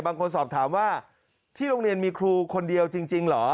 บางคนสอบถามว่าที่โรงเรียนมีครูคนเดียวจริงเหรอ